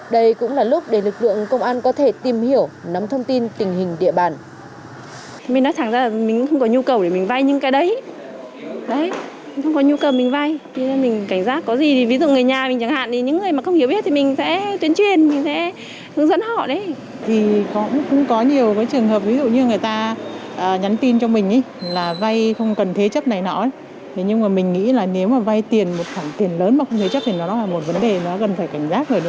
đây cũng là lúc để lực lượng công an có thể tìm hiểu nắm thông tin tình hình địa bàn